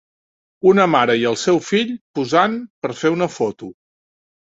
Una mare i el seu fill posant per fer una foto